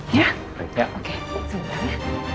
ya oke sebentar ya